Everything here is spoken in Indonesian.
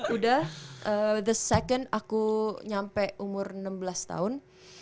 udah the second aku sampai umur enam belas tahun